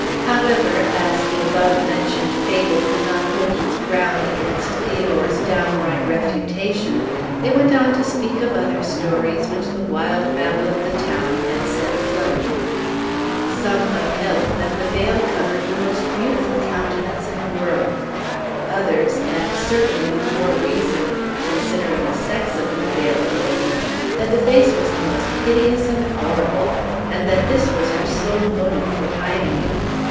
However, as the above mentioned fable could not hold its ground against Theodore's downright refutation, they went on to speak of other stories which the wild babble of the town had set afloat. Some upheld that the veil covered the most beautiful countenance in the world; others, and certainly with more reason, considering the sex of the Veiled Lady, that the face was the most hideous and horrible, and that this was her sole motive for hiding it.